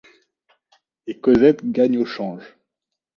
Et Cosette gagne au change.